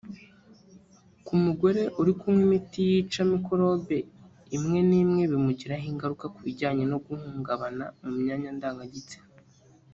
Ku mugore uri kunywa imiti yica mikorobe imwe nimwe bimugiraho ingaruka ku binjanye no guhungabana mu myanya ndangagitsina